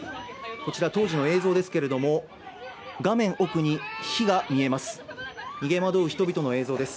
こちら、当時の映像ですけど画面奥に火が見えます。